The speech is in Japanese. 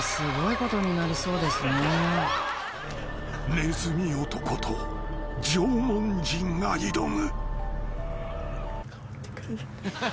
［ねずみ男と縄文人が挑む］